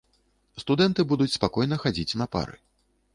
Студэнты будуць спакойна хадзіць на пары.